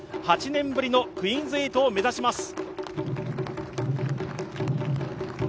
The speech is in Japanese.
８年ぶりのクイーンズ８を目指します。